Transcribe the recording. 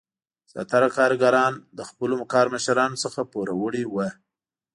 زیاتره کارګران له خپلو کارمشرانو څخه پوروړي وو.